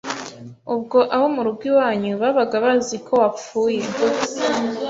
Ubwo abo mu rugo iwanyu babaga baziko wapfuye